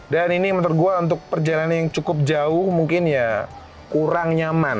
dan ini menurut gua untuk perjalanan yang cukup jauh mungkin ya kurang nyaman